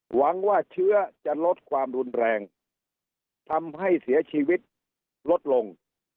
หวังว่าเชื้อจะลดความรุนแรงทำให้เสียชีวิตลดลง